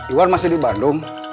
iwan masih di bandung